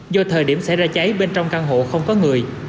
do thời điểm xảy ra cháy bên trong căn hộ không có người